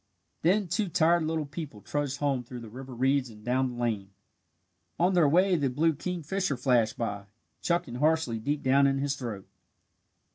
Then two tired little people trudged home through the river reeds and down the lane. On their way the blue kingfisher flashed by, chuckling harshly deep down in his throat.